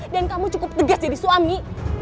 kamu cukup tegas jadi suami